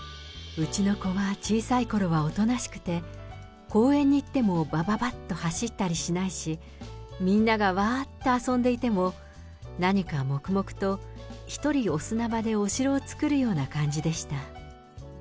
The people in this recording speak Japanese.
うちの子は小さいころはおとなしくて、公園に行っても、ばばばっと走ったりしないし、みんながわーっと遊んでいても、何か黙々と一人お砂場でお城を作るような感じでした。